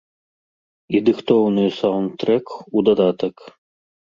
І дыхтоўны саўндтрэк у дадатак.